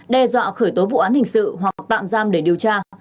đe dọa khởi tố vụ án hình sự hoặc tạm giam để điều tra